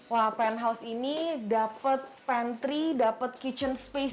wah penthouse ini dapat pantry dapat kitchen space